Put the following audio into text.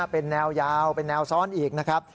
เป็นแนวยาวเป็นแนวซ้อนอีกนะครับ